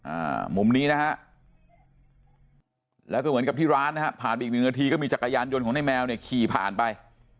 อ่ามุมนี้นะฮะแล้วก็เหมือนกับที่ร้านนะฮะผ่านไปอีกหนึ่งนาทีก็มีจักรยานยนต์ของในแมวเนี่ยขี่ผ่านไป